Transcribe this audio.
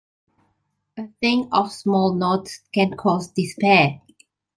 A thing of small note can cause despair.